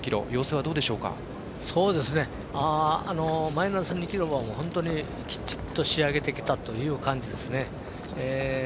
マイナス２ｋｇは本当に、きちっと仕上げてきたっていう感じですね。